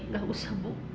gak usah bu